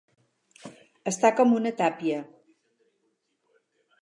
Està com una tàpia.